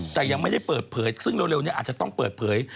แต่ยังไม่ได้เปิดเผยซึ่งเร็วนี้อาจจะต้องเปิดเผย